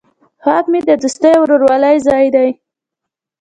هیواد مې د دوستۍ او ورورولۍ ځای دی